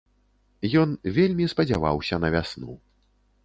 Ён вельмі спадзяваўся на вясну.